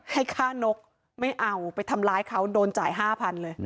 ให้ฆ่านกไม่เอาไปทำร้ายเขาโดนจ่าย๕๐๐เลย